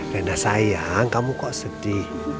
karena sayang kamu kok sedih